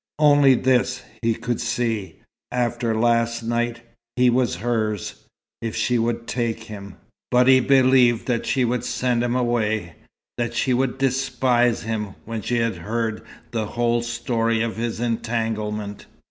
Only this he could see: after last night, he was hers, if she would take him. But he believed that she would send him away, that she would despise him when she had heard the whole story of his entanglement.